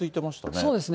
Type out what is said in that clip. そうですね。